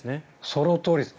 そのとおりです。